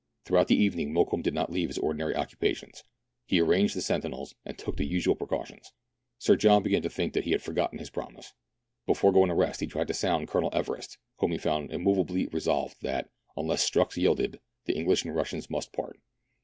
Throughout the evening Mokoum did not leave his ordinary occupations. He arranged the sentinels, and took the usual precautions. Sir John began to think that he had forgotten his promise. Before going to rest he tried to sound Colonel Everest, whom he found immovably re solved that, unless Strux yielded, the English and Russians must part.